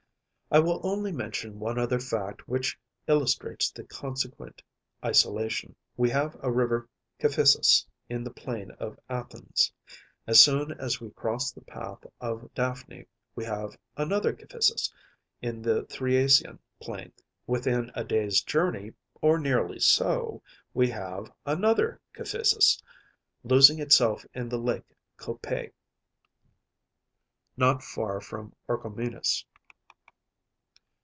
I will only mention one other fact which illustrates the consequent isolation. We have a river Kephissus in the plain of Athens. As soon as we cross the pass of Daphne we have another Kephissus in the Thriasian plain. Within a day’s journey, or nearly so, we have another Kephissus, losing itself in the lake Copais, not far from Orchomenus.